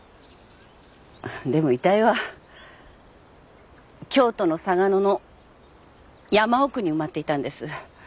でも遺体は京都の嵯峨野の山奥に埋まっていたんです。